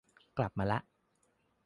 กลับมาละ